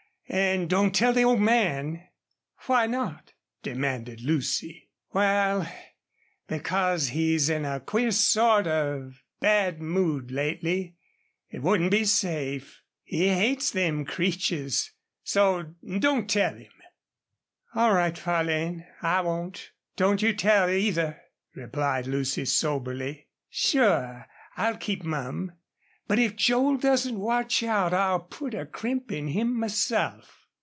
An' don't tell the old man." "Why not?" demanded Lucy. "Wal, because he's in a queer sort of bad mood lately. It wouldn't be safe. He hates them Creeches. So don't tell him." "All right, Farlane, I won't. Don't you tell, either," replied Lucy, soberly. "Sure I'll keep mum. But if Joel doesn't watch out I'll put a crimp in him myself."